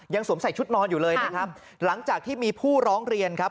สวมใส่ชุดนอนอยู่เลยนะครับหลังจากที่มีผู้ร้องเรียนครับ